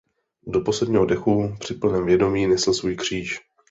Do posledního dechu při plném vědomí nesl svůj kříž.